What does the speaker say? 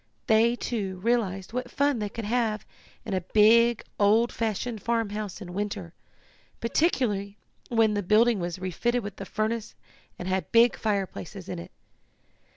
They, too, realized what fun they could have in a big, old fashioned farmhouse in winter, particularly when the building was refitted with a furnace, and had big fireplaces in it.